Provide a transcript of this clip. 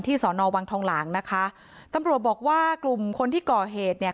สอนอวังทองหลางนะคะตำรวจบอกว่ากลุ่มคนที่ก่อเหตุเนี่ย